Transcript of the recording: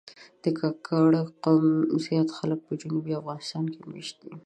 د کاکړ قوم زیات خلک په جنوبي افغانستان کې مېشت دي.